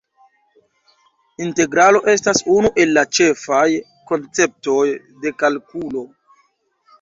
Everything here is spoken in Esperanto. Integralo estas unu el la ĉefaj konceptoj de kalkulo.